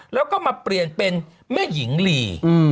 แล้วก็มาเปลี่ยนเป็นแม่หญิงลี